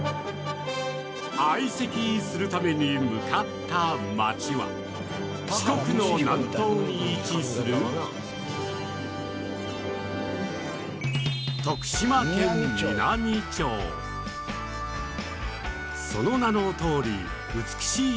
相席するために向かった町は四国の南東に位置するその名のとおり美しい波が訪れる漁師町